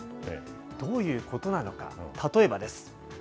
どういうことなのか、例えばです。